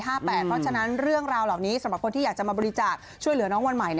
เพราะฉะนั้นเรื่องราวเหล่านี้สำหรับคนที่อยากจะมาบริจาคช่วยเหลือน้องวันใหม่